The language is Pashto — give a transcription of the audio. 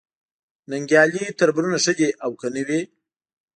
ننګیالي تربرونه ښه دي او که نه وي